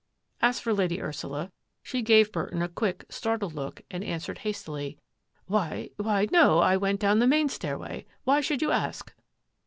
As for Lady Ursula, she gave Burton a quick, startled look and answered hastily, " Why — why, no, I went down the main stairway. Why should you ask?